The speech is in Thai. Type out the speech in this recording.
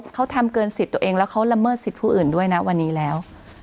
เขาทำเกินสิทธิ์ตัวเองแล้วเขาละเมิดสิทธิ์ผู้อื่นด้วยนะวันนี้แล้ว